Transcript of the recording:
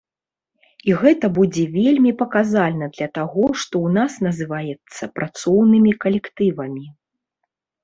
І гэта будзе вельмі паказальна для таго, што ў нас называецца працоўнымі калектывамі.